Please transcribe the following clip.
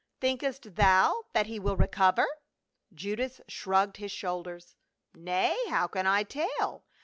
"Thinkest thou that he will recover?" Judas shrugged his shoulders. " Nay, how can I tell